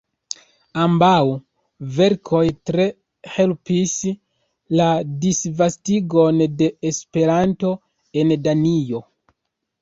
Ambaŭ verkoj tre helpis la disvastigon de Esperanto en Danio.